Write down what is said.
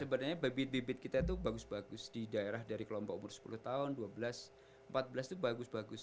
sebenarnya bibit bibit kita itu bagus bagus di daerah dari kelompok umur sepuluh tahun dua belas empat belas itu bagus bagus